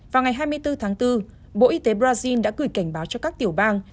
vào ngày hai mươi bốn tháng bốn bộ y tế brazil đã gửi cảnh báo cho các tiểu bang